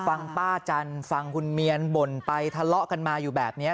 ฟังป้าจันทร์ฟังคุณเมียนบ่นไปทะเลาะกันมาอยู่แบบนี้